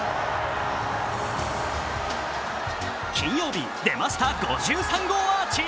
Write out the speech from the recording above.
金曜日、出ました５３号アーチ。